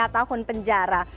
empat lima tahun penjara